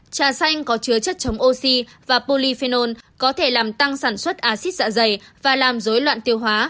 trà xanh có chứa chất chống oxy và polyphenol có thể làm tăng sản xuất acid dạ dày và làm dối loạn tiêu hóa